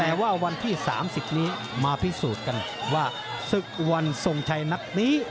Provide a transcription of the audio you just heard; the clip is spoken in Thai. แต่ว่าวันที่๓๐นี้มาพิสูจน์กันว่าศึกวันทรงชัยนัดนี้